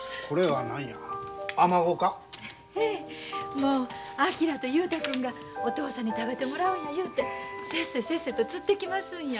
もう昭と雄太君がお父さんに食べてもらうんや言うてせっせせっせと釣ってきますんや。